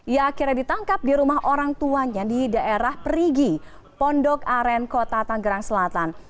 ia akhirnya ditangkap di rumah orang tuanya di daerah perigi pondok aren kota tanggerang selatan